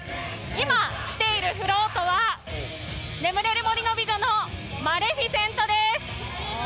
今、来ているフロートは「眠れる森の美女」のマレフィセントです。